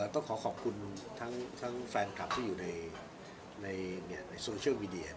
ต้องขอขอบคุณทั้งแฟนคลับที่อยู่ในโซเชียลมีเดีย